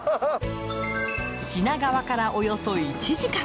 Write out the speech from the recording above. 品川からおよそ１時間。